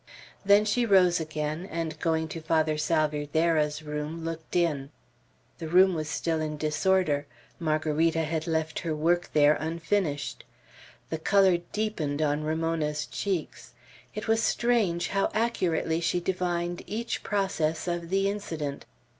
Then she rose again, and going to Father Salvierderra's room, looked in. The room was still in disorder. Margarita had left her work there unfinished. The color deepened on Ramona's cheeks. It was strange how accurately she divined each process of the incident.